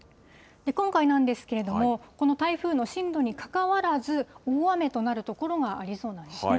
今回なんですけれども、この台風の進路にかかわらず、大雨となる所がありそうなんですね。